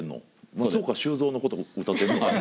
松岡修造のことを歌ってんの？